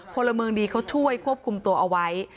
พลเมืองดีเขาช่วยควบคุมตัวเอาไว้